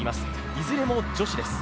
いずれも女子です。